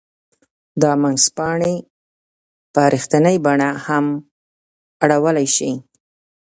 دا منځپانګې په رښتینې بڼه هم اړولای شي